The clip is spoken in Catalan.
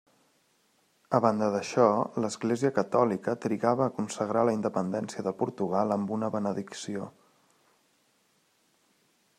A banda d'això, l'Església Catòlica trigava a consagrar la independència de Portugal amb una benedicció.